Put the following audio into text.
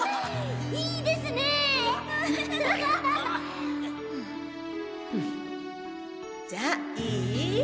いいですねじゃあいい？